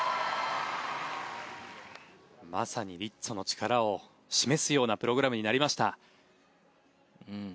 まさにリッツォの力を示すようなプログラムになりました。